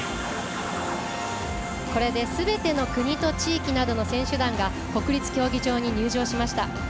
これですべての国と地域などの選手団が国立競技場に入場しました。